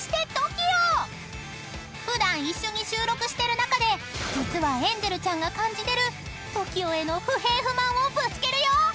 ［普段一緒に収録してる中で実はエンジェルちゃんが感じてるＴＯＫＩＯへの不平不満をぶつけるよ］